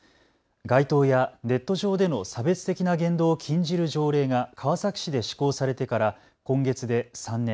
街頭やネット上での差別的な言動を禁じる条例が川崎市で施行されてから今月で３年。